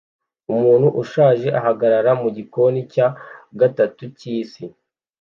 Umuntu ushaje ahagarara mugikoni cya gatatu cyisi